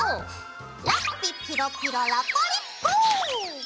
ラッピピロピロラポリッポー。